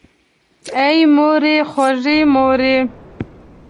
آی مورې خوږې مورې!